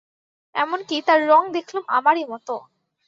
এমন-কি, তাঁর রঙ দেখলুম আমারই মতো।